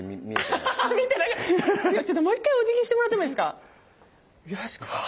ちょっともう一回おじぎしてもらってもいいですか？